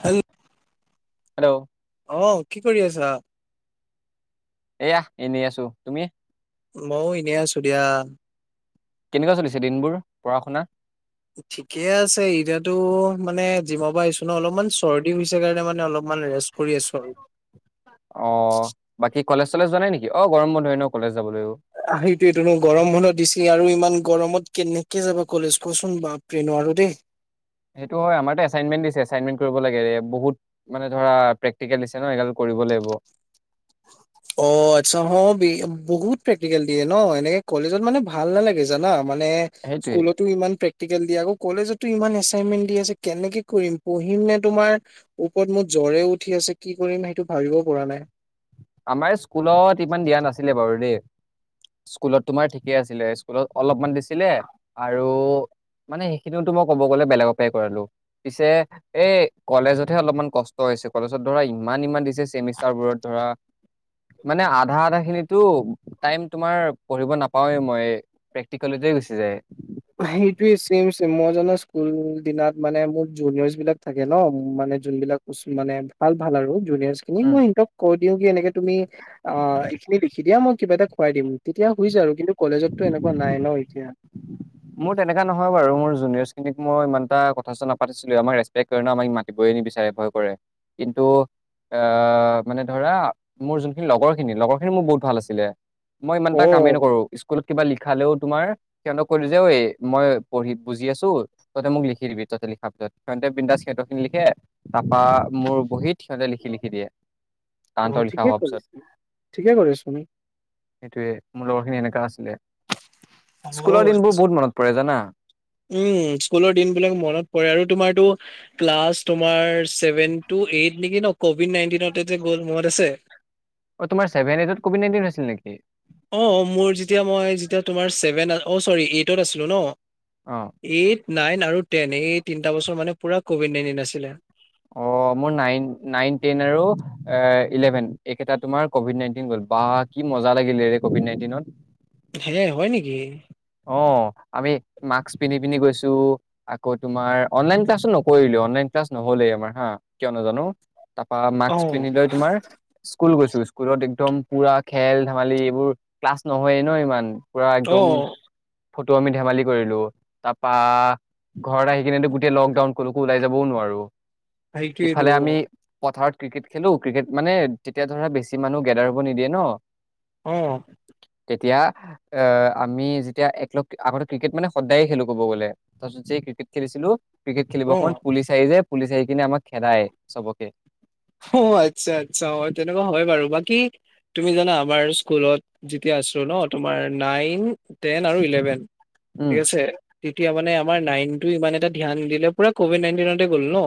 হেল hello অহ কি কৰি আছা? এয়া এনেই আছো। তুমি? মইয়ো এনেই আছো দিয়া। কেনেকুৱা চলিছে দিনবোৰ পঢ়া শুনা? ঠিকে আছে। এতিয়াতো মানে জিমৰ পৰা আহিছো ন। অলপমান চৰ্দি হৈছে কাৰণে মানে অলপ মানে ৰেষ্ট কৰি আছোঁ আৰু অ বাকী কলেজ চলেজ যোৱা নাই নেকি? অ গৰম বন্ধই ন কলেজ যাবলৈও আহ সেইটোৱে তো গৰম বন্ধ দিছ আৰু ইমান গৰমত কেনেকে যাবা কলেজ কোৱাচোন বাপৰে নোৱাৰো দেই। সেইটো‌ হয় আমাৰটো এচাইনমেন দিছে এচাইনমেন কৰিব লাগে এ বহুত মানে ধৰা প্ৰেকটিকেল দিছে ন‌ এগাল কৰি কৰিব লাগিব। অ আচ্ছা হ বি বহুত প্ৰেক্টিকেল দিয়ে ন এনেকে কলেজত মানে ভাল নালাগে জানা। মানে সেইটোয়ে স্কুলতো ইমান প্ৰেক টিকেল দিয়ে আকৌ কলেজতো ইমান এচাইনমেন দি আছে কেনেকে কৰিম পঢ়িম নে তোমাৰ ওপত‌ মোক জ গৰে উঠি আছে কি কৰিম সেইটো ভাবিব পৰা নাই। আমাৰ স্কুলত ইমান দিয়া নাছিলে বাৰু দেই। স্কুলত তোমাৰ ঠিকে আছিলে স্কুলত অলপমান দিছিলে আৰু মানে সেইখিনিওটো মই কব গ'লে বেলেগৰ পাই কৰালো পিছে এই কলেজতহে অলপমান ক কষ্ট হৈছে কলেজত ধৰা ইমান ইমান দিছে চেমিষ্টাৰবোৰত ধৰা মানে আধা আধা খিনিতো টাইম তোমাৰ পঢ়িব নাপাওৱে মই প্ৰেক্টিকেলতেই গুছি যায়। সেইটোয়েই চেম চেম মই জনাত স্কুল দিনত মানে মোৰ জুনিয়ৰচ বিলাক থাকে ন মান নে যোনবিলাক ওচমানে ভাল ভাল আৰু। জুনিয়ৰচখিনিক উম, মই এহতক কৈ দিও কি এনেকে তুমি আ এখিনি লিখি দিয়া মই কিবা এটা খুৱাই দিম। তেতিয়া শুইছে আৰু কিন্তু কলেজততো এনেকুৱা নাই ন এতিয়া। মোৰ তেনেকা নহয় বাৰু মোৰ জুনিয়ৰচ খিনিক মই ইমানটা কথা চথা নাপাতিছিলোৱে আমাক ৰেচপেক কৰে ন আমাক মাতিবই নিবিচাৰে ভয় কৰে কিন্তু, আহ মানে ধৰা মোৰ যোনখিনি লগৰখিনি লগৰখিনি মোৰ বহুত ভাল আছিলে। মই অ ইমানটা কামেই নকৰো স্কুলত কিবা লিখালেও তোমাৰ হেহতক কলো যে ঐ মই পঢ়ি বুজি আছো ততে মোক লিখি দিবি ততে লিখা পিছত সিহনতে বিন্দাচ সিহঁত খিনি লিখ খে তাপা মোৰ বহীত সিহঁতে লিখি লিখি দিয়ে। অ ঠিকেই কৰিছে ঠিকে কৰিছ সেইটোৱে মোৰ লগৰ খিনি এনেকা আছিলে অ স্কু স্কুল দিনবোৰ বহুত মনত পৰে জানা। উম স্কুলৰ দিনবিলাক মনত পৰে আৰু তোমাৰটো ক্লাছ তোমাৰ চেবেনটো এইট নিকি ন কভিড নাইনটিনতে যে গ'ল মনত আছে। অ তোমাৰ চেবেন এইটত কভিড নাইনটিন আছিল নেকি। অ মোৰ যেতিয়া মই যেতিয়া তোমাৰ ছেবেন আছ অ চৰি এইটত আছিলো ন। অ এইট নাইন আৰু টেন এই তিনটা বছৰ মানে পুৰা কভিড নাইনটিন আছিলে। অ, মোৰ নাইন -নাইন টেন আৰু এ ইলেভেন একেইটা তোমাৰ কভিড নাইনটিন গ'ল বা কি মজা লাগিলে কভিড নাইটিনত হে, হয় নেকি। অঁ আমি মাস্ক পিন্ধি পিন্ধি গৈছো আকৌ তোমাৰ অনলাইন ক্লাছোও নকৰিলো। অনলাইন ক্লাছ নহ'লেই আমাৰ হা কিয় নাজানো। তাপা মাক্স অ', পিনি লৈ তোমাৰ স্কুল গৈছো স্কুলত একদম পুৰা খেল ধেমালি এইবোৰ ক্লাছ নহয়েই ন ইমান পুৰা একদম অ', ফটোমি ধেমালি কৰিলো তাপা ঘৰত আহি কিনেটো গোটেই লকডাউন কলোকো ওলাই যাবও নোৱাৰো। সেইটোৱেইটো ইফালে আমি পথাৰত ক্ৰিকেট খেলো ক্ৰিকেট মানে তেতিয়া ধৰা বেছি মানুহ গেডাৰ হ'ব নিদিয়ে ন। অঁহ। তেতিয়া এ আমি যি তিয়া একলগ আগতে ক্ৰিকেট মানে সদায়ে খেলো ক'ব গ'লে তাপিছত যে ক্ৰিকেট খেলিছিলো ক্ৰিকেট খেলিব অ', সময়ত পুলিচ আহি যাই পুলিচ আহি কিনে আমাক খেদায় চবকে। অ আচ্ছা আচ্ছা অ তেনেকুৱা হয় বাৰু বাকী তুমি জানা আমাৰ স্কুলত যেতিয়া আ ছো ন তোমাৰ নাইন টেন আৰু ইলেভেন উম ঠিক আছে তেতিয়া মানে আমাৰ নাইনটো ইমান এটা ধ্যান নিদিলে পুৰা কভিড নাইনটিনতে গ'ল ন।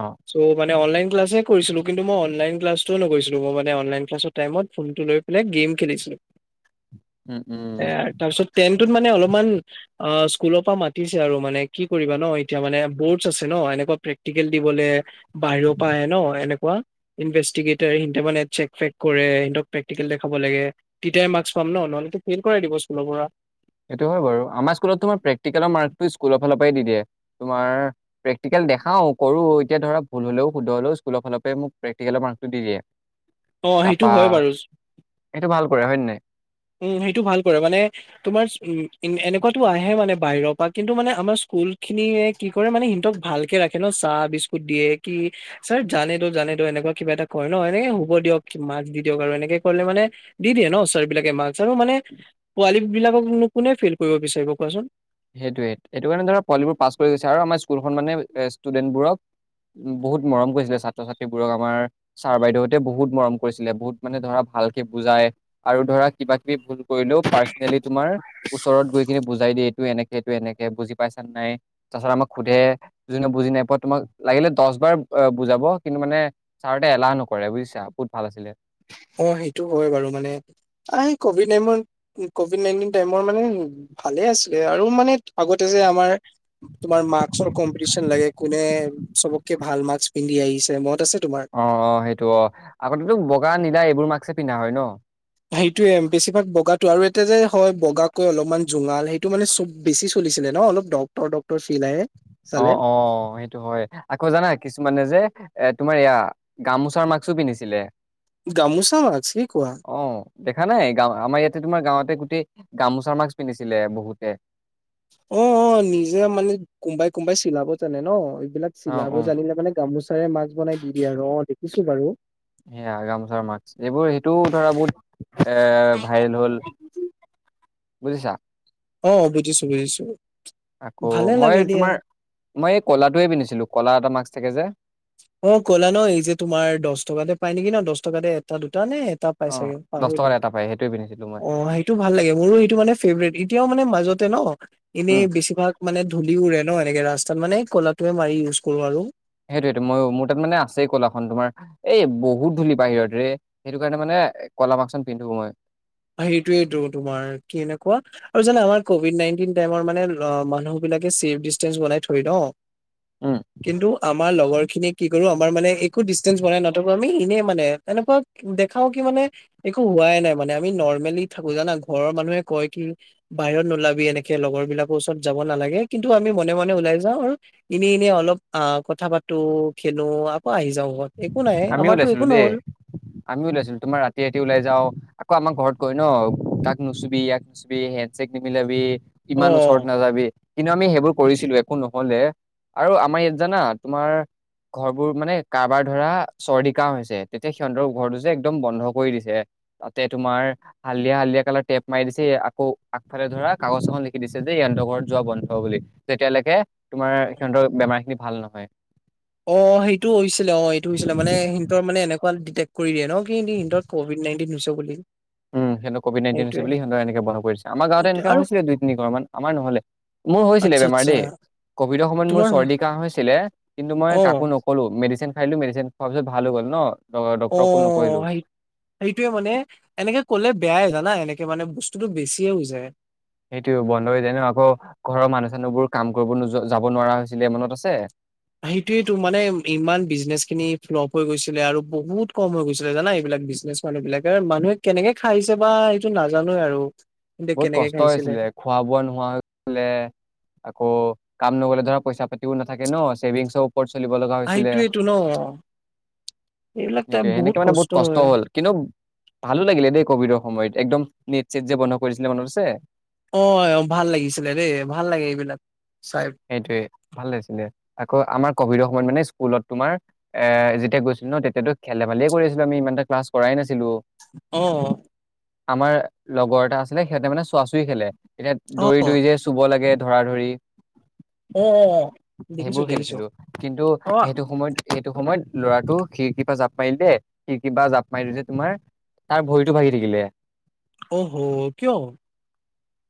অঁ। অ অনলাইন ক্লাছে কৰিছিলো কিন্তু মই অনলাইন ক্লাছটোও নকৰিছিলো মই মানে অনলাইন ক্লাছটোৰ টাইমত ফোনটো লৈ পেলে গেম খেলিছিলোঁ। [inaudible] উম উম এয়া তাৰছত তেন। টোত মানে অলপমান অ স্কুলৰ পৰা মাতিছে আৰু মানে কি কৰিবা ন এতিয়া মানে বৰ্ডছ্ আছে ন। একুৱা প্ৰেক্টিকেল দিবলে বাহিৰৰ পা আহে ন। এনেকুৱা ইনভেচটিকেটাৰে হেনটি মানে চেক ফেক কৰে হিতক প্ৰেকটিকেল দেখাব লাগে তেতিয়াই মা লাচ পাম ন নহ'লে টো ফেইল কৰাই দিব স্কুলৰ পৰা। সেইটো হয় বাৰু, আমাৰ স্কুলতো প্ৰেকটিকেলৰ মাৰ্কটো স্কুলৰ ফালৰ পৰাই দি দিয়ে। তোমাৰ প্ৰেকটিকেল দেখাও, কৰো, এতিয়া ধৰা ভুল হলেও, শুদ্ধ হ'লেও স্কুলৰ ফালৰ পৰা মোক প্ৰেক্টিকেলৰ মাৰ্কটো দি দিয়ে অ সেইটো তাপা, হয় বাৰু এইটো ভাল কৰে হয় নে নাই। উম, সেইটো ভাল কৰে মানে তোমাৰ উম এনেকুৱাতো আহে মানে বাহিৰৰ পৰা কিন্তু মানে আমাৰ স্কু স্কুল খিনিয়ে কি কৰে মানে সিহঁতক ভালকে ৰাখে ন চাহ বিস্কুট দিয়ে কি ছাৰ জানে তো জানে এটো এনেকুৱা কিবা এটা কয় ন, এনে হ'ব দিয়ক কি মাৰ্ক্স দি দিয়ক আৰু এনেকে কৰিলে মানে দি দিয়ে ন। বিলাকে মাৰ্ক্স আৰু মানে পোৱালী বিলাকক নো কোনে ফেইল কৰিব বিচাৰিব কোৱাচোন? সেইটোৱে, এইটো কাৰণে ধৰা পোৱালিবোৰ পাছ কৰি গৈছে আৰু আমাৰ স্কুলখন মানে ষ্টুডেন্টবোৰক উ বহুত মৰম কৰিছিলে ছাত্ৰ -ছাত্ৰীবোৰক আমাৰ ছাৰ- বাইদেউহতে বহুত মৰম কৰিছিলে বহুত মানে ধৰা ভালকে বুজাই আৰু ধৰা কিবা কিবি ভুল কৰিলেও পাৰ্চনেলি তোমাৰ ওচৰত গৈ কেনে বুজাই দিয়ে। এটো এনেকে এটো এনেকে, বুজি পাইছা নাই? তাৰ পাছত আমাক সোধে যোনে বুজি নাই পোৱা তোমাক লাগিলে দশ বাৰ বুজাব কিন্তু মানে ছাৰহতে এলাহ নকৰে বুজিছা বহুত ভাল আছিলে অ সেইটো হয় বাৰু মানে আহ কভিড নাইনৰ কভিড নাইনটিন টাইমৰ মানে ভাল ভালে আচিলে আৰু মানে আগতে যে আমাৰ তোমাৰ মাস্কৰ কম্পিটিচন লাগে কোনে চবতকে ভাল মাস্ক পিন্ধি আহিছে মনত আছে তোমাৰ? অ, অ সেইটো অ আগতেটো বগা, নীলা এইবোৰ মাস্ক পিন্ধা হয় ন। সেইটোয়ে বেছিভাগ বগাটো আৰু এটা যে হয় বগাকৈ অলপমান জোঙাল সেইটো মানে চব বেছি চ দিছিলে ন অলপ ডক্তৰ - ডক্তৰ ফিল আহে অ, চালে অ, সেইটো হয় আকৌ জানা কিছুমানে যে এ তোমাৰ এয়া গামোচাৰ মাস্কো পিন্ধিছিলে গামোচা মাস্ক, কি কোৱা? অ দেখা নাই? গাঁও আমাৰ ইয়াতে তোমাৰ গাঁৱতে গোটেই গামোচা মাস্ক পিন্ধিছিলে বহুতে। অ, অ, নিজে মানে কোনবাই কোনবাই চিলাব জানে ন। এইবিলাক অ চিলাব অ জানিলে মানে গামোচাৰে মাস্ক বনাই দি দিয়ে আৰু অ দেখিছো বাৰু সেয়া গামোচাৰ মাস্ক এইবোৰ সেইটোও ধৰা বহুত। এ ভাইৰেল হ'ল বুজিছা। অ, বুজিছো বুজিছো। আকৌ ভালে মই তোমাৰ, মই লাগে এই দিয়া তোমাৰ মইয়ে ক'লাটোৱে পিন্ধিছিলো ক'লা এটা মাস্ক থাকে যে। অ কলা ন, এই যে তোমাৰ দশ টকাতে পাই নেকি ন দশ টকাতে এটা দু তানে, এটা অ পাইছাগে দহ পাহৰিলো। টকাত এটা পায় সেইটোৱে পিন্ধিছিলো মই অ সেইটো ভাল লাগে, মোৰো সেইটো মানে ফেভৰেট এতিয়াও মানে মাজতে ন, এনেই উম বেছিভাগ মানে। ধূলি উৰে ন এনেকে ৰাস্তাত মানে ক'লাটোয়ে মাৰি ইউজ কৰো আৰু সেইটোৱেটো মইও, মোৰ তাত মানে আছেই কলাখন তোমাৰ এই বহুত ধূলি বাহিৰত ৰে সেইটো কাৰণে মানে এ কলা মাস্কখন পিন্ধো মই। সেইটোৱেইটো তোমাৰ কি এনেকুৱা আৰু জানা আমাৰ কভিড নাইনটিন টাইমৰ মানে মানুহ বিলাক লাকে চেভ দিচতেঞ্চ বনাই থই ন উম কিন্তু আমাৰ লগৰ খিনি কি কৰো আমাৰ মানে একো ডিষ্টেঞ্চ বনাই নাথাকো আমি এনেই মানে তেনেকুৱা দেখাও কি মানে একো হোৱাই নাই মানে। আমি নৰ্মেলি থাকো জানা ঘৰৰ মানুহে কয় কি বাহিৰত নোলাবি এনেকে লগৰ বিলাকৰ ওচৰত যাব নালাগে লাগে কিন্তু আমি মনে -মনে ওলাই যাওঁ আৰু এনে-এনে অলপ অ কথা পাতো খেলো আকৌ আহি এই যাওক ক'ত। আমিও ওলাইছিলো দেই, আমিও ওলাইছিলো, তোমাৰ ৰাতি ৰাতি ওলাই যাও ক আমাৰ ঘৰত কয় ন, তাক নুচুবি, ইয়াক নুচুবি, হেণ্ড চেক নিমিলাবি অ ইমান ওচৰত নাযাবি। কিন্তু আমি সেইবোৰ কৰিছিলো একো নহলে আৰু আমাৰ ইয়াত জানা তোমাৰ ঘৰবোৰ মানে, কাৰবাৰ ধৰা চৰ্দি কাহ হৈছে তেতিয়া সিহঁতৰ ঘৰটো যে একদম বন্ধ কৰি দিছে তাতে তোমাৰ হালধীয়া হালধীয়া কিয়া টেপ মাৰ দিছে আকৌ আগফালে ধৰা কাগজ এখন লিখি দিছে যে ইহঁৰ ঘৰত যোৱা বন্ধ বুলি, তেতিয়া তাকে তোমাৰ সিহঁতৰ বেমাৰ খিনি ভাল নহয়। অ সেইটো হৈছিলে অ এইটো হৈছিলে মানে হেতৰ মানে এনেক- কোৱাল ডিটেকট কৰি দিয়ে ন কি ইনতত ক'ভিড নাইণ্টিন হৈছে বুলি। উম সিহঁত কভিড নাইণ্টিন হৈছে সেইটোয়ে বুলি সিহঁত এক বন্ধ কৰিছে আমাৰ গাঁৱতে এইটো- এনেকুৱা আৰু হৈছিলে দুই তিনি ঘৰমান আমাৰ নহলে। মোৰ হৈছিলে আচ্ছা বেমাৰ আচ্ছা দেই কভিডৰ সময়ত মোৰ তোমাৰ চৰ্দি কাহ হৈছিলে। কিন্তু মই অ কাকো নকলো মেডিচিন খাইলো মেডিচিন খোৱাৰ পিছত ভাল হৈ গল ন। ড- অ ডক্তৰক ফোন নকৰিলো। সেই সেইটোৱে মানে এনেকে ক'লে বেয়াই জানা এনেকে মানে বস্তুতটো বেছিয়ে হৈ যায়। সেইটো বন্ধ হৈ জানো আকৌ ঘৰৰ মানুহ চানুহবোৰ কাম কৰিব যাব নোৱাৰা হৈছিলে মনত আছে। সেইটোয়েটো মানে ইমান বিজনেচ খিনি ফ্লপ হৈ গৈছিলে আৰু বহুত কম হৈ গৈছিলে জানা এইবিলাক। বিজনেচ মানুহ বিলাকে আৰু মানুহে কেনেকে খাইছে বা এইটো নাজানোৱে আৰু। কিন্তু বহুত কেনেকে কষ্ট খাইছিলে হৈছিলে খোৱা বোৱা নোহোৱা হৈছিলে। আকৌ কাম নগলে ধৰা পইচা পাতিও নাথাকে ন ছেভিংছও ফৰ চলিব লগা হৈছিলে। সেইটোয়েতো ন এইবিলাক টাইপ সেইটোয়ে সেনেকে মানে বহুত কষ্ট হয় হ'ল কিন্তু ভালো লাগিলে দেই কভিডৰ সময়ত একদম নেট চেট যে বন্ধ কৰিছিলে মনত‌ আছে। অ অ ভাল লাগিছিলে দেই ভাল লাগে এইবিলাক। চাই সেইটোৱে ভাল লাগিছিলে আকৌ আমাৰ কভিড মানে স্কুলত তোমাৰ এ যেতিয়া গৈছিলো ন তেতিয়াতো খেল ধেমালিয়েই কৰিছিলো আমি ইমানটা ক্লাছ কৰাই নাছিলো। অহ আমাৰ লগৰ এটা আছিলে সিহঁতে মানে চোৱা চৰি খেলে। এতিয়া অ অ দৌৰি দৌৰি যে চুব লাগে ধৰা ধৰি অ অ, দেখিছো সেইবোৰ দেখিছো খেলিছিলো কিন্তু অ সেইটো সময়ত সেইটো সময়ত ল'ৰাটো খিৰকি পা জাপ মাৰিলে খিৰকি পা জাপ মাৰিল যে তোমাৰ তাৰ ভৰিটো ভাগি থাকিলে। অ হ কিয়?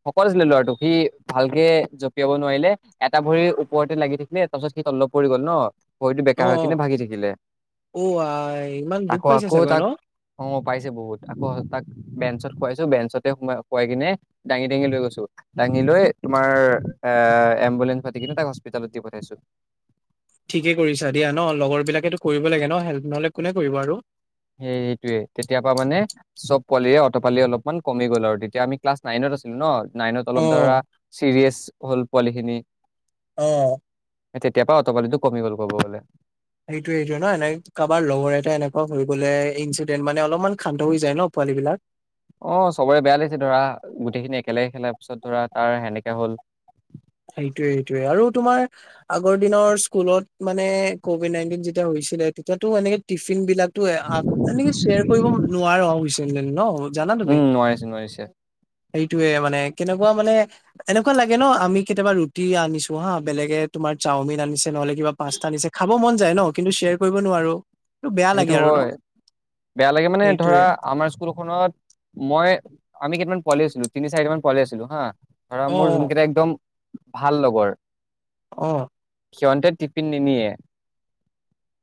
শকত আছিলে ল'ৰাটো, সি ভালকে জঁপিয়াব নোৱাৰিলে। এটা ভৰি ওপৰতে লাগি থাকিলে তাৰ পাছত কি তললে পৰি গ'ল ন। ভৰিটো বেকা অ হৈ কিনে ভাগি থাকিলে। অ আই ইমান দুখ আকৌ পাইছে আকৌ চাগৈ তাক ন পাইছে বহুত আকৌ তাক বেঞ্চত শুৱাইছো, বেঞ্চতে শুৱাই কিনে দাঙি দাঙি লৈ গৈছোঁ। দাঙি লৈ তোমাৰ এম্বুলেন্স মাতি কিনে তাক হস্পিতেলত দি পঠাইছো। ঠিকে কৰিছা দিয়া ন লগৰ বিলাকেতো কৰিব লাগে ন হেল্প নহলে কোনে কৰিব আৰু। সেই সেইটোয়ে তেতিয়া পৰা মানে চব পোৱালিৰে অট পালি অলপ ইমান কমি গ'ল আৰু তেতিয়া আমি ক্লাছ নাইনত আছিলো ন, নাইনত অ অলপ ধৰা চিৰিয়েছ হ'ল পোৱালিখিনি অহ তেতিয়া পা অট পালিটো কমি গ'ল ক'ব গ'লে। সেইটোৱে এইটোৱে ন এনে কাৰোবাৰ লগৰ এটা এনেকুৱা হৈ গলে ইনচিডেণ্ট মানে অলপমান শান্ত হৈ যায় ন। পোৱালীবিলাক অ চবৰে বেয়া লাগিছে ধৰা গোটেইখিনি একেলগ খেলাৰ পিছত ধৰা তাৰ সেনেকাে হ'ল। সেইটোয়ে সেইটোয়ে আৰু তোমাৰ আগৰ দিনৰ স্কুলত মানে কভিড নাইনটিন যেতিয়া হৈছ- ছিলে তেতিয়াতো এনেকে টিফিন বিলাকো এনেকে শ্বেয়াৰ কৰিব নোৱাৰা হৈছে নেন ন। জানা তুমি উম নোৱাৰিছে নোৱাৰিছে। সেইটোয়ে মানে কেনেকুৱা মানে এনেকুৱা লাগে ন আমি কেতিয়াবা ৰুটি আনিছো হা বেলেগে তোমাৰ চাওমিন আনিছে নহলে কিবা পাছতা আনিছে খাব মন যাই ন কিন্তু শ্বেয়াৰ কৰিব নোৱাৰো। টো বেয়া লাগে সেইটো আৰু ন হয় বেয়া লাগে মানে ধৰা সেইটোয়ে আমাৰ স্কুলখনত মই আমি কেইটামান পোৱালী আছিলো তিনি চাৰিটা মান পোৱালী আছিলো হা। ধৰা অ মোৰ জোনকেইটা একদম ভাল লগৰ। অ সিহতে টিফিন নিনিয়ে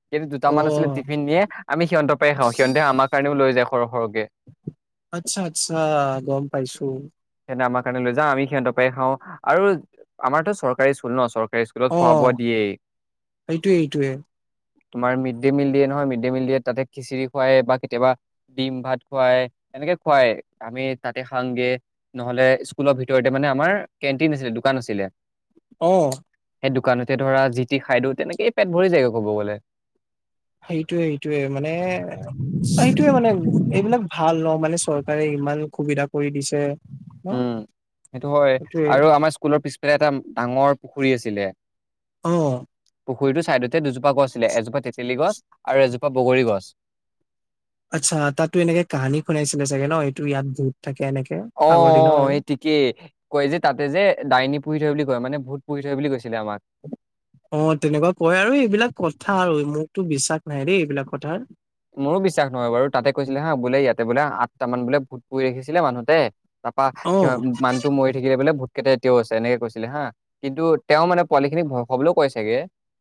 সেটি অ দুটামান আছিলে। অ টিফিন নিয়ে আমি সিহঁতৰ পৰাই খাওঁ সিহঁতে আমাৰ কাৰণেও লৈ যায়। সৰহ সৰহকে আচ্ছা আচ্ছা গম পাইছোঁ। সিহঁতে আমাৰ কাৰণে লৈ যাওঁ আমি সিহঁতৰ পৰাই খাওঁ, আৰু আমাৰটো চৰকাৰী স্কুল ন চৰ চৰকাৰী স্কুলত অ খোৱা বোৱা দিয়েই। সেইটোয়ে সেইটোয়ে তোমাৰ মিদিয়াম দিয়ে নহয় মিড ডে মিল দিয়ে তাতে খিচিৰি খুৱাই বা কেতিয়াবা ডিম ভাত খুৱাই, এনেকে খুৱাই আমি তাতে খাংগে। নহ'লে স্কুলৰ ভিতৰতে মানে আমাৰ কেণ্টিন আছিলে, দোকান আছিলে। অহ। সেই দোকানতে ধৰা জি তি খাই দিওঁ তেনেকেই পেট ভৰি যায়গৈ ক'ব গ'লে। সেইটোৱে সেইটোৱে মানে সেইটোৱে মানে এইবিলাক ভাল ন মানে চৰকাৰে ইমান সুবিধা কৰি দিছে। ন উম, সেইটো হয় সেইটোয়ে আৰু আমাৰ স্কুলৰ পিছফালে এটা ডাঙৰ পুখুৰী আছিলে। অ পু পুখুৰীটোৰ চাইডতে দুজোপা গছ আছিলে। এজোপা তেতেলী গছ আৰু এজোপা বগৰী গছ। আচ্ছা তাতো এনেকে কাহানী শুনাইছিলে চাগে ন এইটো ইয়াত বহুত থাকে। এনেকে অ আগৰ দিনৰ অ আৰু সেই ঠিকেই, কয় যে তাতে যে ডাইনী পুহি থয় বুলি কয় মানে ভূত পুহি থয় বুলি কৈছিলে আমাক। অ তেনেকুৱা কয় আৰু এইবিলাক কথা আৰু মোকতো বিশ্বাস নাই দেই এইবিলাক কথাত মোৰো বিশ্বাস নহয় বাৰু তাতে কৈছিলে হা বোলে ইয়াতে বোলে আঠটামান বোলে ভূত পুহি ৰাখিছিলে মানুহ এটাই তাপা অ সি মানুহটো মৰি থাকিলে বোলে ভূত কেইটা এতিয়াও আছে এনেকে কৈছিলে হা, কিন্তু তেওঁ মানে পোৱালি খিনিক ভয় খোৱাবলৈও কয় চাগে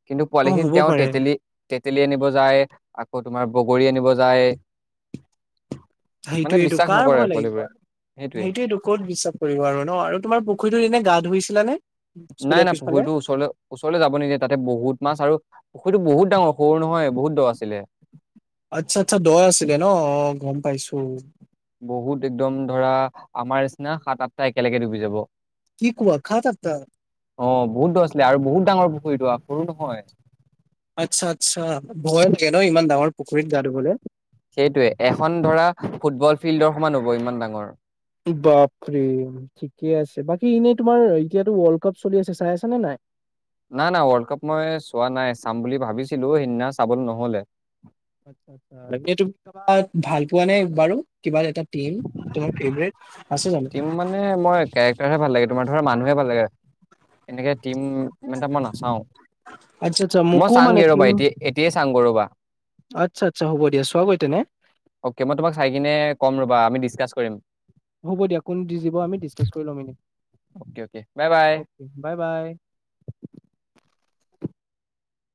কিন্তু অ পোৱালিখিনি হ'ব তেওঁ পাৰে তেতেলী তেতেলী আনিব যায়। আকৌ তোমাৰ বগৰী আনিব যায়। মানে সেইটোৱেটো বিশ্বাস কাৰ নকৰে ভয় লাগিব পোৱালিবোৰে আৰু সেইটোৱে সেইটোৱেটো ক'ত বিশ্বাস কৰিব আৰু ন আৰু তোমাৰ পুুখুৰীটোত এনেই গা ধুইছিলা নে? নাই স্কুলৰ নাই পিছফালে পুখুৰীটো ওচৰলৈ ওচৰলৈ যাব নিদিয়ে তাতে বহুত মাছ আৰু পুখুৰীটো বহুত ডাঙৰ সৰু নহয় বহুত দৰ আছিলে। আচ্ছা আচ্ছা দয় আছিলে ন গম পাইছোঁ। বহুত একদম ধৰা আমাৰ নিচিনা সাত আঠটা একেলগে ডুবি যাব। অ কি কোৱা খাত আটা বহুত দূৰ আছিলে আৰু বহুত ডাঙৰ পুখুৰীটো আগ সৰু নহয়। আচ্ছা আচ্ছা ভয় লাগে ন ইমান ডাঙৰ পুখুৰীত গা ধুবলৈ সেইটোৱে এখন ধৰা ফুটবল ফিল্ডৰ সমান হ'ব ইমান ডাঙৰ। ফিল্ড ঠিকে আছে। বাকী এনেই তোমাৰ এতিয়াটো ৱৰ্ল্ড কাপ চলি আছে চাই আছা নে নাই? না না ৱৰ্ল্ড কাপ মই চোৱা নাই চাম বুলি ভাবিছিলো সেইদিনা চাবলে নহ'লে। আচ্ছা আচ্ছা। বাকী এইটো তুমি কাবাক ভাল পোৱা নে বাৰু কিবা এটা টিম তুমি ফেভেৰেত টিম মানে মই কেৰেক্টাৰ হে ভাল লাগে তোমাৰ ধৰা মানুহে ভাল লাগে। এনেকে টিম ইমান এটা মই নাচাওঁ। আচ্ছা আচ্ছা মই মোকো মানে চাংগে ৰ'বা টিম এতিয়া এতিয়াই চাম গৈ ৰ'বা। আচ্ছা আচ্ছা হ'ব দিয়া চোৱাগৈ তেনে অকে মই তোমাক চাই কিনে কম ৰবা আমি ডিচকাছ কৰিম। হ'ব দিয়া। কোন জিকিব আমি ডিছকাছ কৰি ল'ম এনেই okay okay bye bye. Okay bye বাই।